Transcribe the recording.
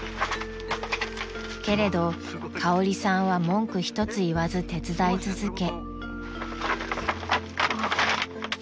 ［けれどかおりさんは文句一つ言わず手伝い続け］